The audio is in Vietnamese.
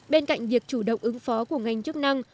bên cạnh việc chủ động ứng phó của ngành chức năng